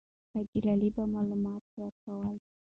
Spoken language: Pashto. حاجي لالی به معلومات ورکول.